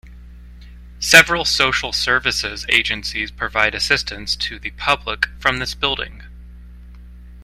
Several social services agencies provide assistance to the public from this building.